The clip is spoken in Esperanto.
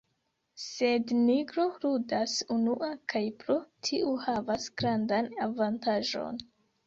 Sed Nigro ludas unua kaj pro tio havas grandan avantaĝon.